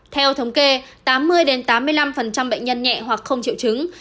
theo thống kê tám mươi tám mươi năm bệnh nhân nhẹ hoặc không triệu chứng